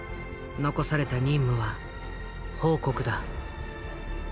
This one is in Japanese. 残された任務は報告だ。